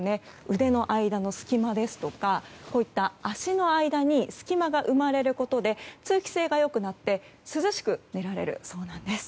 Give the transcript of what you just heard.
腕の間の隙間ですとかこういった足の間に隙間が生まれることで通気性が良くなって涼しく寝られるそうです。